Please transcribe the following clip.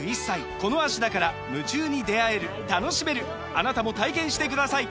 あなたも体験してください！